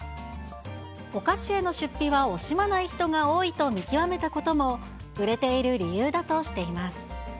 お菓子への出費は惜しまない人が多いと見極めたことも、売れている理由だとしています。